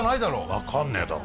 分かんねえだろ。